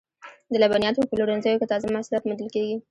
د لبنیاتو په پلورنځیو کې تازه محصولات موندل کیږي.